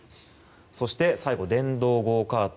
そして最後、電動ゴーカート。